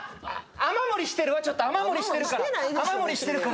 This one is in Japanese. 雨漏りしてるわちょっと雨漏りしてるから。